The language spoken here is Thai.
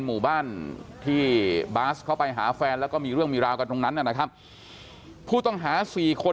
หมู่บ้านที่บาสเข้าไปหาแฟนแล้วก็มีเรื่องมีราวกันตรงนั้นนะครับผู้ต้องหาสี่คน